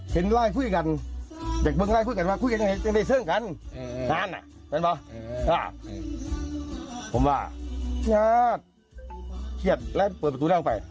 ผมว่าทียากเฮียดแล้วก็เปิดประตูนานออกไป